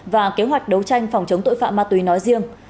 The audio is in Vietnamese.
và kế hoạch đấu tranh phòng chống tội phạm ma túy nói riêng